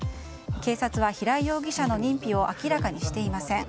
警察は、平井容疑者の認否を明らかにしていません。